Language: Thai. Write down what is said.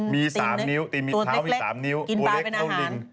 มีสามนิ้วตีมีเท้ามีสามนิ้วกินบาลเป็นอาหาร